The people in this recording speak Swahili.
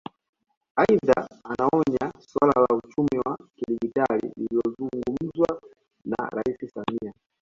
Aidha anaonya suala la uchumi wa kidigitali lililozungumzwa na Rais Samia